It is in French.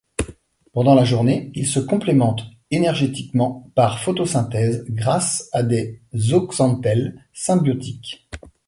Pendant la journée, ils se complémentent énergétiquement par photosynthèse grâce à des zooxanthelles symbiotiques.